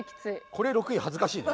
これ６位恥ずかしいね。